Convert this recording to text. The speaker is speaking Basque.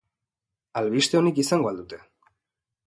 Albiste onik izango al dute?